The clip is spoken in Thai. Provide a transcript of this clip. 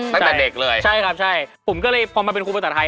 ไม่เป็นเด็กเลยใช่ครับผมก็เลยพอมาเป็นครูภาษาไทย